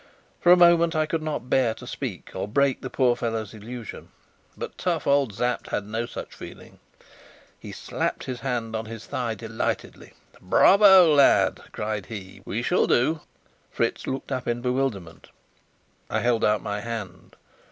For a moment I could not bear to speak or break the poor fellow's illusion. But tough old Sapt had no such feeling. He slapped his hand on his thigh delightedly. "Bravo, lad!" cried he. "We shall do!" Fritz looked up in bewilderment. I held out my hand.